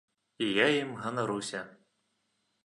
І я ім ганаруся.